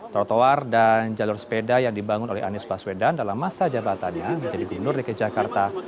trotoar dan jalur sepeda yang dibangun oleh anies baswedan dalam masa jabatannya menjadi gubernur dki jakarta